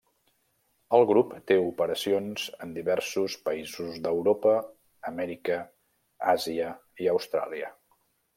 El grup té operacions en diversos països d'Europa, Amèrica, Àsia i Austràlia.